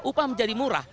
upah menjadi murah